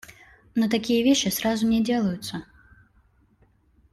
Но такие вещи сразу не делаются.